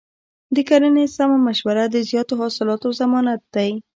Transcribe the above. د کرنې سمه مشوره د زیاتو حاصلاتو ضمانت دی.